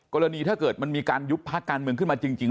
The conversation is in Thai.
ถ้าเกิดมันมีการยุบพักการเมืองขึ้นมาจริง